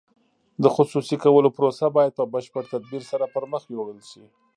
د خصوصي کولو پروسه باید په بشپړ تدبیر سره پرمخ یوړل شي.